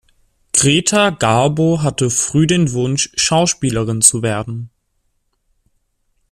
Greta Garbo hatte früh den Wunsch, Schauspielerin zu werden.